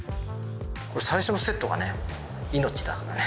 これ最初のセットがね命だからね。